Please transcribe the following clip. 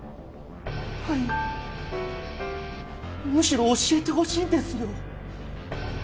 はいむしろ教えてほしいですよ。